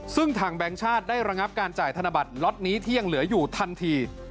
ซึ่งทางแบงค์ชาติได้ระงับการจ่ายธนบัตรล็อตนี้ที่ยังเหลืออยู่ทันที